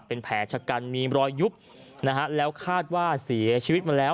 เป็นแผลชะกันมีรอยยุบนะฮะแล้วคาดว่าเสียชีวิตมาแล้ว